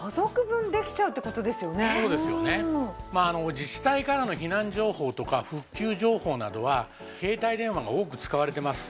自治体からの避難情報とか復旧情報などは携帯電話が多く使われてます。